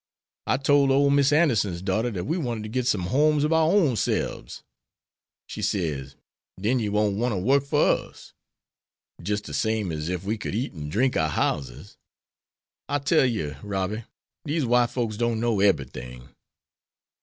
I tole ole Miss Anderson's daughter dat we wanted ter git some homes ob our ownselbs. She sez, 'Den you won't want ter work for us?' Jis' de same as ef we could eat an' drink our houses. I tell yer, Robby, dese white folks don't know eberything."